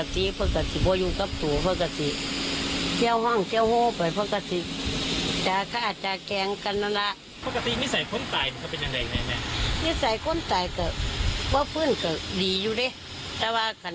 ทีมข่าวดิก